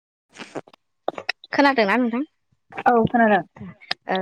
[inaudible] खोनादोंना नोंथां? औ खोनादों ओ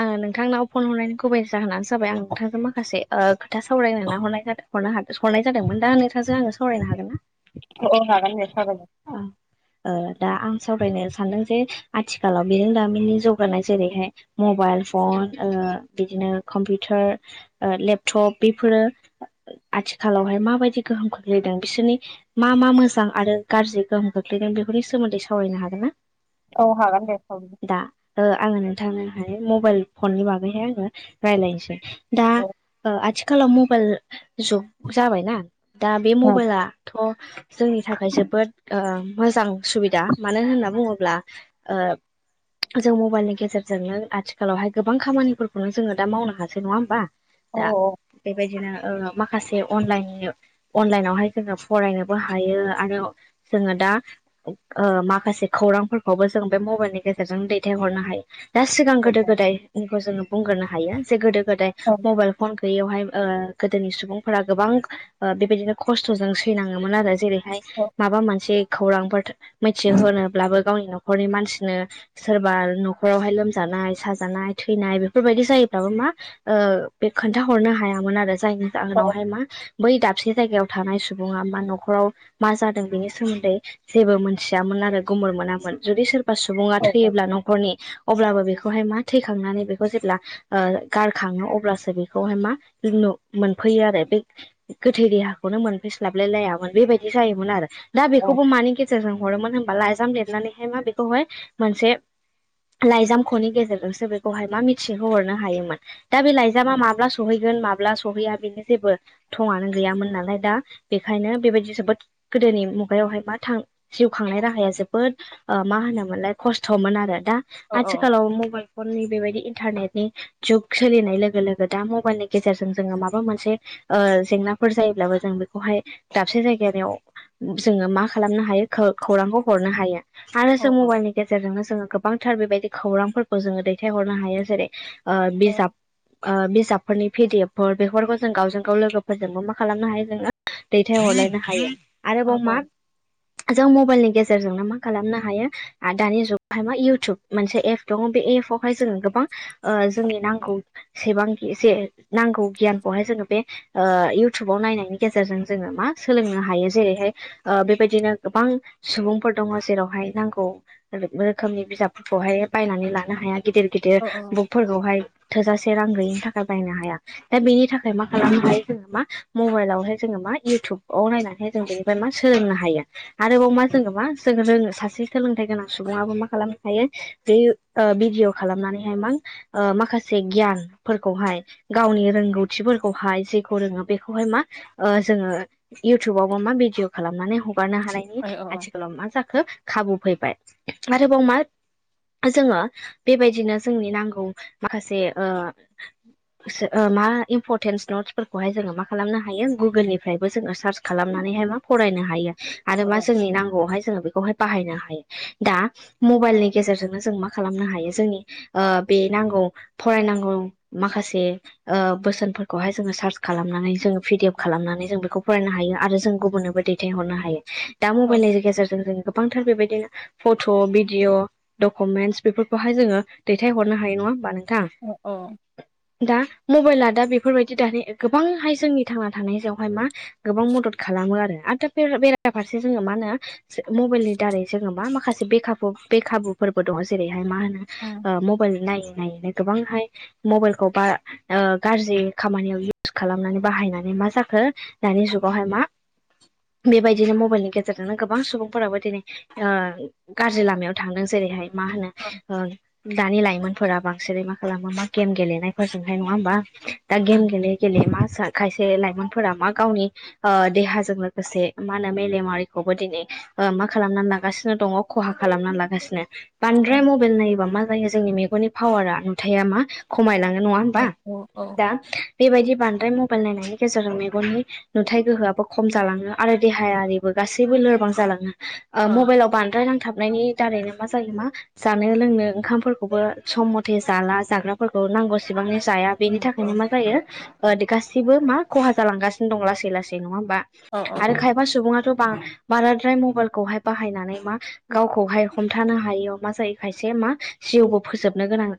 आङो नोंथांनाव फन हरनायनि गुबै जाहोनानो जाबाय आं नोंथांजों माखासे खोथा सावरायनाय नामा ह हरनाय जादोंमोन दा नोंथांजों आङो सावरायनो हागोन ना औ हागोन सावरायनो अ ओ दा आं सावरायनो सानदों जे आथिखालाव बिरोंदामिननि जौगानाय जेरैहाय मबाइल फन बिदिनो कम्पिउटार ओ लेपटप बेफोरो आथिखालाव बावहाय माबायदि गोहोम खोख्लैदों बिसोरनि मा मा मोजां आरो गाज्रि गोहोम खख्लैदों बेफोरनि सोमोन्दै सावरायनो हागोन ना औ हागोन दे सखवरायनो दा ओ आङो नोंथांहाय मबाइल फननि बागैहाय आङो रायलायनोसै दा औ आथि आथिखालाव मबाइल जुग जाबायना दा बे मबाइलाथ जोंनि थाखाय जोब जोबोद मोजां सुबिदा मानो होनना बुङोब्ला जों मबाइलनि गेजेरजोंनो आथिखालावहाय गोबां खामानिफोरखौनो जोङो दा मावनो हासै नङा होमबा औ दा बेबायदिनो माखासे अनलाइन अनलाइनावहाय जोङो फरायनोबो हायो आरो जोङो दा माखासे खौरांफोरखौबो जों बे मबाइलनि गेजेरजों दैथायहरनो हायो दा सिगां औ गोदो गोदायखौ जोङो बुंग्रो हायो जे गोदो गोदाय औ मबाइल फन बेयावहाय गोदोनि सुबुंफोरा गोबां बेबायदिनो खस्थ'जों सैनाङोमोन आरो जेरै औ माबा मोनसे खौरांफोर मिथिहोनोब्लाबो गावनि न'खरनि मानसिनो सोरबा नावहाय लोमजानाय साजानाय थैनाय बेफोरबायदि जायोब्लाबो मा बे खोन्था हरनो हायामोन आरो जायनि औ जाहोनावहाय मा बै दाबसे जायगायाव थानाय सुबुङा मा न'खाव मा बिनि सोमोन्दै जेबो मोनथियामोन आरो गुमुर मोनामोन जुदि सोरबा बा सुबुङा औ थैयोब्ला न'खरनि अब्लाबो बेखौहाय मा थैखांनानै बेखौ जेब्ला गारखाङो अब्लासो बेखौहाय मा मोनफैयो आरो बे गोथै देहाखौनो मोनफैस्लाबलाय लायामोन बेबायदि जायोमोन आरो दा बेखौबो मानि गेजेरजों हरोमोन हबा लाइजाम लिरनानैहाय मा बेखौहाय मोनसे लाइजामखौनि गेजेरजोंसो बेखौहाय मा मिथिहो हरनो हायोमोन दा बे लाइजामा माब्ला सहैगोन माब्ला ब्ला सहैया बेनो जेबो थंआनो गैयामोन नालाय दा बेखायनो बेबायदि जोबोद गोदोनि मुगायावहाय मा थां जिउ खांनाय राहाया जोबोद मा होनोमोनलाय खस्थमोन आरो दा औ औ आथिखालाव मबाइल फन नै बेबायदि इन्टारनेटनि जुग सोलिनाय लोगो लोगो दा मबाइलनि गेजेरजों जोङो माबा मोनसे ज नाफोर जायोब्लाबो जों बेखौहाय दाबसे जायगाव जोङो मा खालामनो हायो खौरांखौ हरनो हायो आरो जों औ मबाइलनि गेजेरजोंनो जोङो गोबांथार बेबायदि खौरांफोरखौ जोङो दैथायहरनो हायो जेरै बिजाब बिजाब फोरनि भिडिएफफोर बेफोरखौ जों गावजों गाव लोगोफोरजोंबो मा खालामनो हायो जोङो दैथायहरलायनो हायो आरोबाव मा औ जों मबाइलनि गेजेराव गेजेरजों न मा खालामनो हायो दानि जुगावहाय मा इउटुब मोनसे एप दङ बे एपआवहाय जोङो गोबां जोंनि नांगौसेबां नांगौ गियानखौहाय जोङो बे इउटुबाव नायनायनि गेजेरजों जोङो मा सोलोंनो हायो जेरै बेबायदिनो गोबां सुबुंफोर दङ जेरावहाय नांगौ रोखोमनि बिजाब हाय बायनानै लानो हाया गिदिर गिदिर औ बुकफोरखौहाय थोजासे से रां गैयिनि थाखाय बायनो हाया दा बेनि थाखाय मा खालामनो हायो जोङो मा मबाइलावहाय जोङो मख इउटुब इउटुबाव नायनानै जों बे मा सोलोंनो हायो आरोबाव मा जोङो मा जों रोङो सासे सोलोंथाइ गोनां सुबुङाबबो मा खालामनो हायो भडिअ खालामनानैहाय मा माखासे गियानफोरखौहाय गाव गावनि रोंगौथि फोरखौहाय जेखौ रोङो बेखौहाय मा जोङो इउटुबावहाय मा बि भिदिअ खालामनानै हगारनो हानायनि औ आथिखालाव मा जाखो खाबु फैबाय आरोबाव मा जोङो बेबायदिनो जोंनि नांगौ माखासे मा इम्परटेन्स नटसफोरखौहाय जोङो मा खालामनो हायो गुगोलनिफ्रायबो जोङो सार्च खालामनानैहाय मा फरायनो हायो आरो मा औ जोंनि नांगौआवहाय जोङो बेखौहाय बाहनो हायो दा मबाइलनि गेजेरजोंनो जों मा खालामनो हायो जोंनि बे नांगौ फरायनांगौ माखासे बोसोनफोरखौहाय जोङो सार्च खालामनानै जों भिडिअ खालामनानै जों बेखौ फरायनो हायो आरो जों गुबुननोबो दैथायहरनो हायो दा मबाइलनि गेजेरजों जों गोबां [unintelligible] फट' भिडिअ' डकुमेन्टस बेफोरखौहाय जोङो दैथाय हरनो हायो नङा हबानो अ औ दा मबाइला दा बेफोरबायदि दानि गोबांहाय जोंनि थांना थानाय सायावहाय मा गोबां मदद खालामो आरो [unintelligible] बेराफारसे जोङो मा होनो मबाइलनि दारै जोङो मा माखासे बेखा बेखाबुफोर [unintelligible] जेरैहाय मा होनो ओ मबाइल नाय नायैनो गोबांहाय मबाइलखौ बा गाज्रि खामानियाव इउस खालामनानै बाहायनानै मा जाखो दानि जुगावहाय मा बेबायदिनो मबाइलनि गेजेरजोंनो गोबां सुबुंफोराबो दिनै ओ गाज्रि लामायाव थांदों जेरैहाय मा होनो ओ दानि लायमोन फोरा बांसिनै मा खालामो मा गेम गेलेनायफोरजोंहाय नङा होमबा दा गेम उम गेले गेले मा सान खायसे लाइमोनफोरा मा गावनि ओ दे जों लोगोसे मा होनो मेलेमारिखौबो दिनै मा खालामनानै लागासिनो दङ खहा खालामनानै लागासिनो उम बांद्राय मबाइल नायोबा मा जायो जोंनि मेगननि पावारा नुथाया मा खमायलाङो नङा होमबा दा बेबायदि बांद्राय मबाइल नायनायनि गेजेरजों मेगननि नुथाय गोहोआबो खम जालाङो आरो देहायारिबो गासैबो लोरबां जालाङो ओ मबाइलाव बांद्राय नांग थाबनायनि दारैनो मा जायो मा जानो लोंनो ओंखामफोरखौबो सम मथे जाला जाग्राफोरखौ नांगौसेबां ए जाया बेनि थाखायनो मा जायो ओ गासिबो मा खहा जालांगासिनो दं लासै लासै नङा होमबा औ आरो खायफा सुबुङाथ' बां बाराद्राय मबाइलखौहाय बाहायनानै मा गावखौहाय हमथानो हायोयाव मा जायो खायसे मा जिउबो फोजोबनो गोनां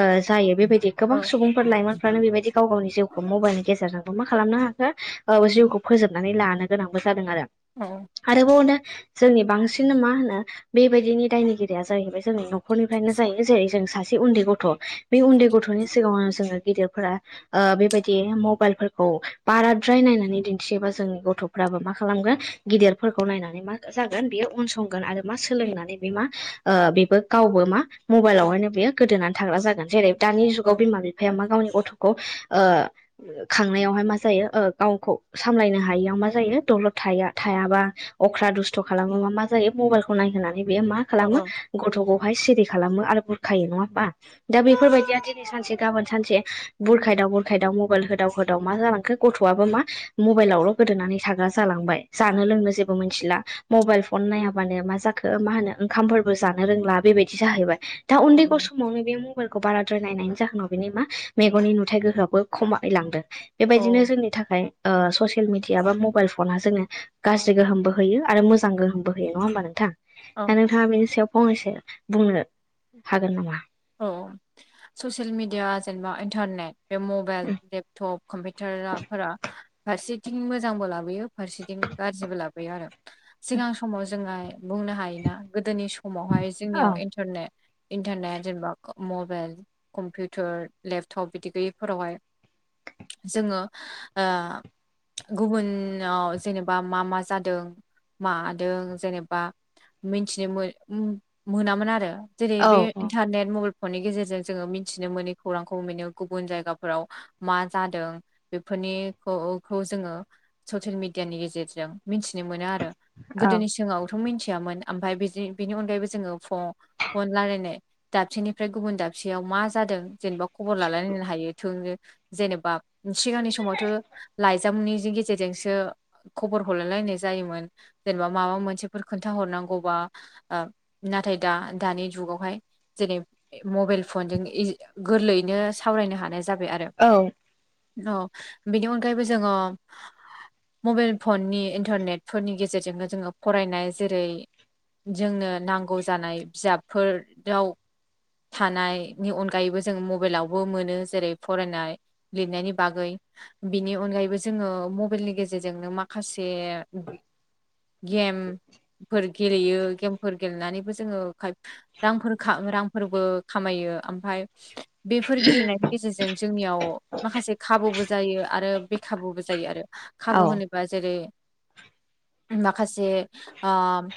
ओ जायो बेबायदि गोबां सुबुंफोर लाइमोनफ्रानो बेबायदि गाव गावनि जिउखौ मबाइलनि गेजेरजों मा खालामनो हाखो ओ जिउखौ फोजोबनानै लानो गोनांबो जादों आरो आरोबाव जोंनि बांसिन मा होनो बेबायदिनि दायनिगिरिया जाहैबाय जोंनि न'खरनिफ्रायनो जायो जेरै जों सासे उन्दै गथ' बे उन्दै गथ'नि सिगाङावनो जोङो गिदिरफोरा ओ बेबायदि मबाइलफोरखौ बाराद्राय नायनानै दिन्थिबा जोंनि गथ'फ्राबो मा खालामगोन गेदिरफोरखौ नायनानै मा जागोन बेयो अनसंगोन आरो मा सोलोंनानै [unintelligible] मा बेबो गावबो मा मबाइलावहायनो बेयो गोदोनानै थाग्रा जागोन जेरै दानि जुगाव बिमा बिफाया मा गावनि गथ'खौ ओ खांनायावहाय मा जायो ओ गावखौ सामलायनो हायियाव मा जायो दलर थाया थायाबा अख्रा दुसथ खालामोबा मा जायो मबाइलखौ नायहोनानै बेयो मा खालामो गथ'खौ [unintelligible] सिरि खालामो आरो बुरखायो नङा होमबा दा बेफोरबायदिया दिनै सानसे गाबोन सानसे बुरायखा खायदाव मबाइल होदाव होदाव मा जांखो गथ'आबो मा मबलावल' गोदोनानै थाग्रा जालांबाय जानो लोंनो जेबो मिथिला मबाइल फन नायाबानो मा जाखो मा होनो ओंखामफोरबो जानो रोंला बेबायदि जाहैबाय दा उन्दै गथ' समावनो बे मबाइलखौ बारा द्राय नायनायनि जाहोनाव बेनि मा मेगननि नुथाय गोहोआबो खमाय लांदों बेबायदिनो जोंनि थाखाय ओ सेल मिडिया बा मबाइल फना जोंनो गाज्रि गोहोमबो होयो आरो मोजां गोहोमबो होयो नङा होमबा नोंथां औ दा नोंथाङा बेनि सायाव फंनैसो बुंनो हागोन नामा औ ससियेल मिेडिया जेनेबा इन्टारनेट बे मबाइल लेपटप कम्पिउटाराफोरा फारसेथिं मोजांबो लाबोयो फारसेथिं गाज्रिबो लाबोयो आरो सिगां समाव जोंहा बुंनो हायोना गोदोनि समावहाय औ जोंनियावन्टारने इन्टारनेट जेनेबा मबाइल कम्पिउटार लेपटप बिदि गैयैफोरावहाय जोङो ओ गुबुनाव जेनेबा मा मा जादों मादों जेनेबा मिथिनो मो उम मोनामोन आरो जेरै औ बे नेट मबाइल फननि गेजेरजों जोङो मिथिनो मोनै खौरांखौ मोनो गुबुन जायगाफोराव मा जादों बेफोरनिखौ जोङो ससियेल मिडियानि गेजेरजों मिथिनो मोनो आरो औ गोदोनि सिगाङावथ' मिथि मिथियामोन ओमफ्राय बेनि अनगायैबो जोङो फन रायलायनाय दाबसेनिफ्राय गुबुन दाबसेयाव मा जादों जेनेबा खबर लालायलायनो हायो थोंनो जेनेबा सिगांनि समावथ' लाइजामनि गेजेरजोंसो खबर हरलायलाय जायोमोन जेनेबा माबा मोनसेफोर खोथा हरनांगौबा नाथाय दा दानि जुगावहाय जेरै मबाइल फनजों गोरलैयैनो सावरायनो हानाय जाबाय आरो औ औ बेनि अनगायैबो जोङो मबाइल फननि इन्टारनेटफोरनि गेजेरजोंनो जोङो फरायनाय जेरै जोंनो नांगौ जानाय बिजाबफोराव [inaudible] थानायनि अनगायैबो जोंङो मबाइलावबो मोनो जेरै फरायनाय लिरनायनि बागै बिनि अनगायैबो जोङो मबाइलनि गेजेरजोंनो माखासे गेम फोर गेलेयो गेमफोर गेलेनानैबो जोङो खायफा रां फोर रांफोरबो खामायो ओमफाय बेफोर गेलेनायनि गेजेरजों जोंनियाव माखासे खाबुबो जायो आरो बेखाबुबो जायो आरो औ खाबु होनोबा जेरै [inaudible] माखासे ओह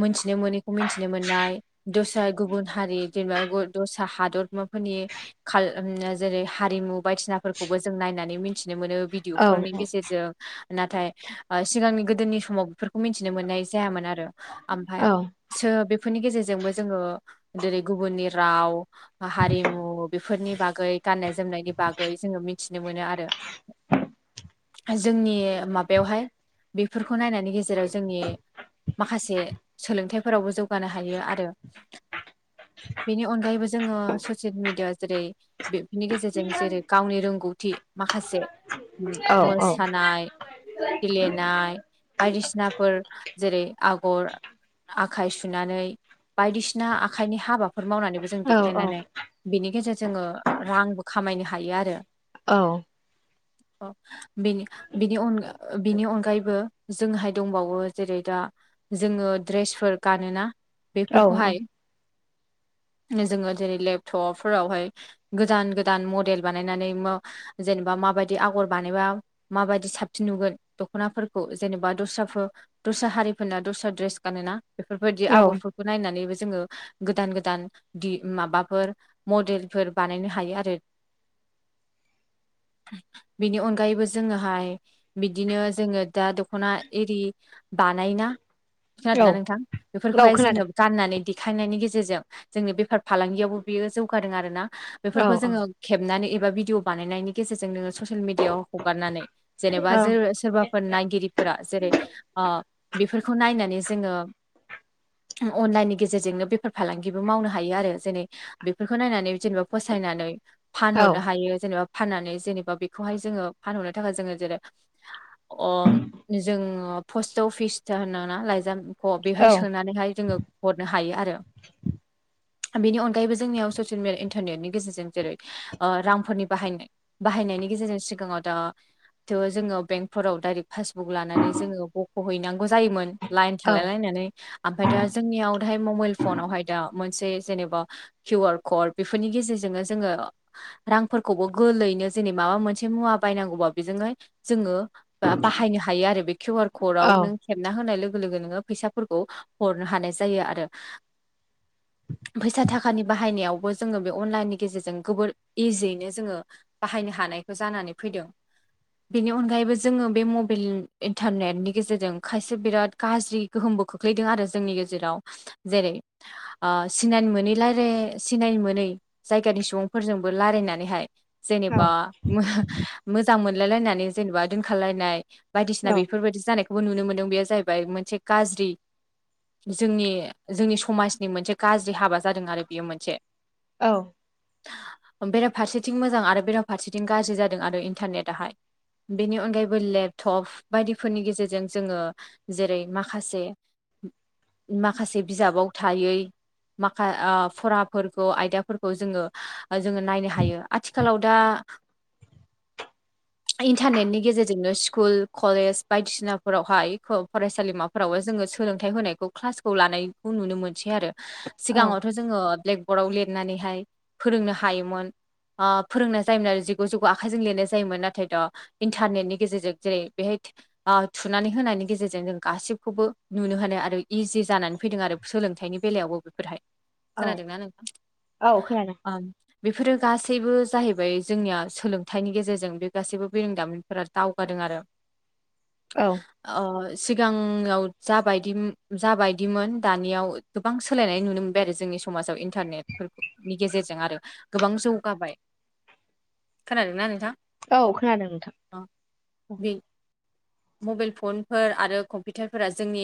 मोनथिनो मोनैखौ मिथिनो मोननाय दस्रा गुबुन हारि जेनेबा दस्रा हादरमाफोरनि खा जेरै हारिमु मु बायदिसिनाफोरखौबो जों नायनानै मिथिनो मोनो भिदिअ औ फोरनि गेजेरजों नाथाय सिगांनि गोदोनि समाव बेफोरखौ मिथिनो मोननाय जायामोन आरो ओमफाय औ सो बेफोरनि गेजेरजोंबो जोङो जेरै गुबुननि राव हारिमु बेफोरनि बागै गाननाय जोमनायनि बागै जोङो मिथिनो मोनो आरो [inaudible] जोंनि माबायावहाय बेफोरखौ नायनायनि गेजेराव जोंनि माखासे सोलोंथाइफोरावबो जौगानो हायो आरो [inaudible] बेनि अनगायैबो जोङो ससियेल मिेडिया जेरै बेनि गेजेरजों जेरै गावनि रोंगौथि थि माखासे औ मोसानाय गेलेनाय बायदिसिनाफोर जेरै आगर आखाइ सुनानै बायदिसिना आखाइनि हाबाफोर मावनानैबो जों देखायनानै बिनि गेजेरजों जोङो रांबो खामाय नो हायो आरो औ बिनि अनगायैबो जोंहाय दंबावो जेरै दा जोङो ड्रेसफोर गानोना औ बेफोरखौहाय [inaudible] जोङो जेरै लेपटपफोरावहाय गोदान गोदान मडेल बानायनानै जे नेबा माबायदि आगर बानायबा माबायदि साबसिन नुगोन दख'नाफोरखौ जेनेबा दस्राफोर दस्रा हारिफोरना दस्रा द्रेस गानोना बेफोरबायदि औ आगरफ्राव नायनानैबो जोङो गोदान गोदान माबाफोर मडेलफोर बानायनो हायो आरो [inaudible] बेनि अनगायैबो जोङोहाय बिदिनो जोङो दा दख'ना एरि बानायोना खोनादों ना औ नोंथां औ बेफोरखौहाय खोनादों जोङो होननानै दिेखांनायनि गेजेरजों जोंनि बेफार फालांगियावबो बियो जौगादों आरो ना औ बेफोरखौ औ जोङो खेबनानै एबा भिडिअ बानायनायनि गेजेरजों नोङो ससियेल मिडियाआव हगारनानै जेनेबा औ जो सोरबाफोर नायगिरिफोरा जेरै बेफोरखौ नायनानै जोङो अनलाइननि गेजेरजोंनो बेफार फालांगिबो मावनो हायो आरो जेरै बेफोरखौ नायनानै जेनेबा फसायनानै औ फानहरनो हायो जेनेबा फाननानै जेनेबा बेखौहाय जोङो फानहरनो थाखाय जोङो जेरै अ जोंङो ओ पस्ट अफिसट होनो ना लाइजामख' औ बेवहाय सोनानैहाय जोङो हरनो हायो आरो [inaudible] बेनि अनगायैबो जोंनियाव ससियेलमजल इन्टारनेटनि गेजेरजों जेरै ओ रांफोरनि बाहायनाय बाहायनायनि गेजेजों सिगाङाव थ थ' जोङो बेंकफोराव डायरेक्ट पासबुक लानानै जोङो बख'हैनांगौ जायोमोन लाइन औ थालाय लायनानै आम फ्राय दा जोंनियावा दाहाय मबाइल फनवहाय दा मोनसे जेनेबा कउ आइ कद बेफोरनि जेरजोंनो जङो रांफोरखौबो गोलैनो जेने माबा मोनसे मुवा बायनांगौबा बेजोंहाय जोङो बा बाहायनो हायो आरो बे किउ आर कडाव नों खेबना होनाय लोगो लोगो नोङो फैसाफोरखौ हरनो हानाय जायो आरो [inaudible] फैसा थाखानि बाहायनायावबो जोङो बे अनलाइननि गेजेरजों गोबोर इजियैनो जोङो बाहायनो हा नायबो जानानै फैदों बेनि अनगायैबो जोङो बे मबिइल इन्टारनेटनि गेजेरजों खायसे बिराद गाज्रि गोहोमबो खोख्लै दों आरो जोंनि गेजेराव जेरै आ सिनायनो मोनै रायलाय सिनायनो मोनै जायगानि सुबुंफोरजोंबो रायलायनानैहाय जेनेबा मोजां मोनलायलायनानै जेनेबा दोनखालायनाय बायदिसिना बेफोरबायदि जानायखौबो नुनो मोन्दों बेयो जाहैबाय मोनसे गाज्रि जोंनि जोंनि समाजनि मोनसे गाज्रि हाबा जादों आरो बेयो मोनसे औ बेराफारसेथिं मोजां आरो बेराफारसेथिं गाज्रि जादों आरो इन्टारनेटाहाय बेनि अनगायैबो लेपटप बायदिफोरनि गेजेरजों जोङो जेरै माखासे माखासे बिजाबाव थायै माखा आ फराफोरखौ आयदाफोरखौ जोङो जोङो नायनो हायो आथिखालाव दा [inaudible] इन्टारनेटनि गेजेरजोंनो स्कुल कलेज बायदिसिनाफोरावहाय फ फरायसालिमाफोरावहाय जोङो सोलोंथाइ होनायखौ क्लासखौ लानायखौ नुनो मोनसै आरो औ सिगाङावथ' जोङो ब्लेग अराव लिरनानैहाय फोरोंनो हायोमोन ओ फोरोंनाय जायोमोन आरो जिगु जिगु आखाइजों लिरनाय जायोमोन नाथाय दा इन्टारनेटनि गेजेरजों जेरै बेहाय आ थुनानै होनायनि गेजेरजों गासिबखौबो नुनो हानो आरो इजि जानानै फैदों आरो सोलोंथाइनि बेलायावबो बेफोरहाय खोनादोंना नोंथां औ खोनादों ओं बेफोरो गासैबो जाहैबाय जोंनिया सोलोंथाइनि गेजेरजों बे गासैबो बेरोंदामिनफोरा दावगादों आरो औ ओ सिगाङाव जााबायदि जाबायदिमोन दानियाव गोबां सोलायनाय नुनो मोनबाय आरो जोंनि समाजाव इन्टारनेट फोर नि गेजेरजों आरो गोबां जौगाबाय [inaudible] खोनादों ना नोंथां औ खोनादों नोंथां औ। मबेल फनफोर आरो कम्पिटारफोरा जोंनि